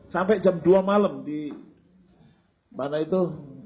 sampai jam dua malam di mana itu